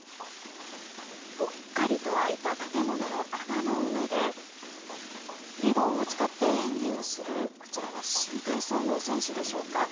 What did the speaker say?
ぽっかりと開いた建物の穴の上でリボンを使って演技をするこちらは新体操の選手でしょうか。